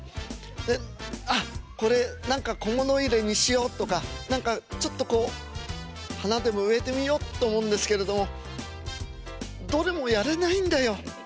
で「ああこれ何か小物入れにしよう」とか何かちょっとこう花でも植えてみようっと思うんですけれどもどれもやらないんだよ。